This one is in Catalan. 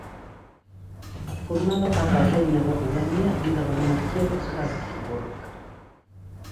Formava part del regne de Bohèmia i de la monarquia dels Habsburg.